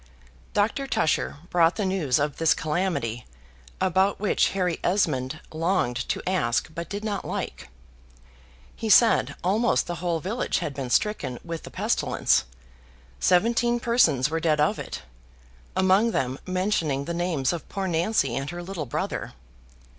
Doctor Tusher brought the news of this calamity, about which Harry Esmond longed to ask, but did not like. He said almost the whole village had been stricken with the pestilence; seventeen persons were dead of it, among them mentioning the names of poor Nancy and her little brother.